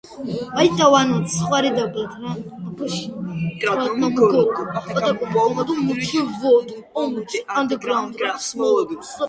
სიდიდით მეორე ქალაქი ტარანაკის რეგიონში, ჩრდილოეთ კუნძულზე.